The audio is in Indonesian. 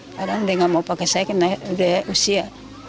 kadang dia nggak mau pakai saya kena udah usia